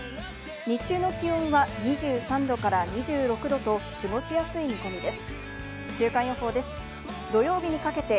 日中の気温は２３度から２６度と過ごしやすい見込みです。